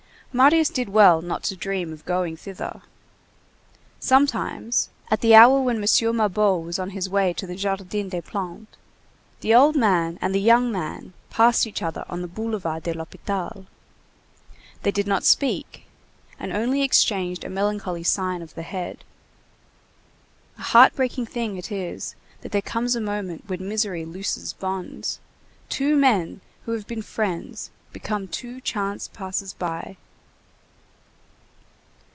Marius did well not to dream of going thither. Sometimes, at the hour when M. Mabeuf was on his way to the Jardin des Plantes, the old man and the young man passed each other on the Boulevard de l'Hôpital. They did not speak, and only exchanged a melancholy sign of the head. A heart breaking thing it is that there comes a moment when misery looses bonds! Two men who have been friends become two chance passers by.